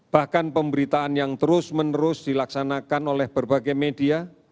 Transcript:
bahkan pemberitaan yang terus menerus dilaksanakan oleh berbagai media